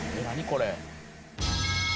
これ。